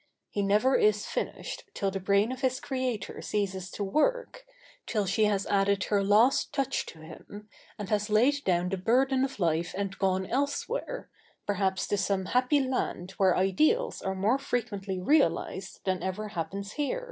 He never is finished till the brain of his creator ceases to work, till she has added her last touch to him, and has laid down the burden of life and gone elsewhere, perhaps to some happy land where ideals are more frequently realised than ever happens here.